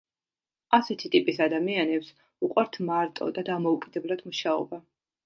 ასეთი ტიპის ადამიანებს უყვართ მარტო და დამოუკიდებლად მუშაობა.